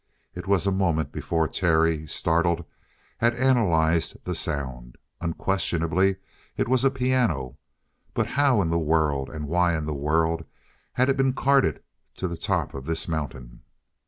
It was a moment before Terry, startled, had analyzed the sound. Unquestionably it was a piano. But how in the world, and why in the world, had it been carted to the top of this mountain?